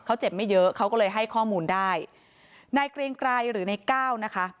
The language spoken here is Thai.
เขาเจ็บไม่เยอะเขาก็เลยให้ข้อมูลได้นายเกรียงไกรหรือในก้าวนะคะ